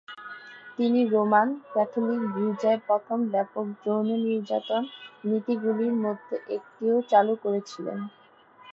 তিনি Roman Catholic গির্জায় প্রথম ব্যাপক যৌন নির্যাতন নীতিগুলির মধ্যে একটি ও চালু করেছিলেন।